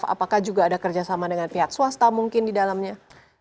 apakah juga ada kerjasama dengan pihak swasta mungkin didalamnya